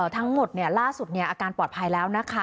ทั้งหมดล่าสุดอาการปลอดภัยแล้วนะคะ